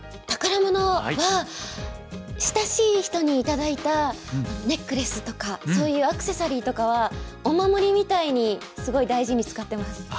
宝物は親しい人に頂いたネックレスとかそういうアクセサリーとかはお守りみたいにすごい大事に使ってます。